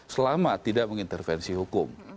selama tidak mengintervensi hukum